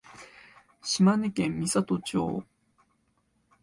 島根県美郷町